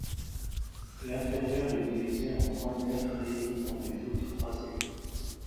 L'intérieur est divisé en trois nefs réunies par des voûtes croisées.